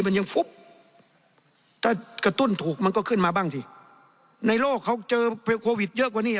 มันยังฟุบถ้ากระตุ้นถูกมันก็ขึ้นมาบ้างสิในโลกเขาเจอโควิดเยอะกว่านี้